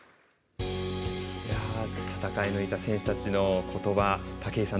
戦い抜いた選手たちのことば武井さん